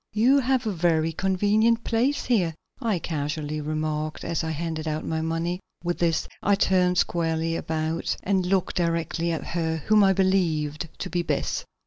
"You have a very convenient place here," I casually remarked, as I handed out my money. With this I turned squarely about and looked directly at her whom I believed to be Bess.